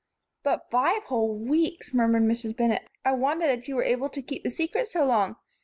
"But five whole weeks!" murmured Mrs. Bennett. "I wonder that you were able to keep the secret so long.